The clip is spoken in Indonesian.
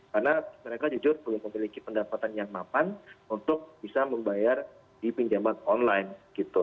karena mereka jujur belum memiliki pendapatan yang mapan untuk bisa membayar di pinjaman online gitu